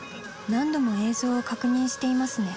何度も映像を確認していますね。